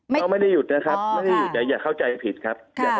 เราไม่ได้หยุดนะครับอย่าเข้าใจผิดครับ